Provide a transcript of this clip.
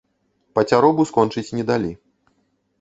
Пацяробу скончыць не далі.